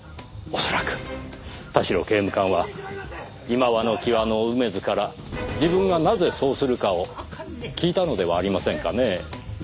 恐らく田代刑務官は今際の際の梅津から自分がなぜそうするかを聞いたのではありませんかねぇ。